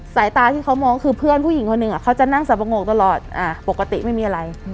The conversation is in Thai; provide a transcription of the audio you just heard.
สายตาที่เขามองคือเพื่อนผู้หญิงคนหนึ่งเขาจะนั่งสับปะโงกตลอดปกติไม่มีอะไร